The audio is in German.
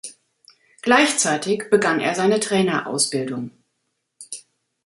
Gleichzeitig begann er seine Trainerausbildung.